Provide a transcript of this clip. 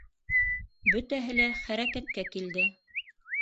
Бөтәһе лә хәрәкәткә килде.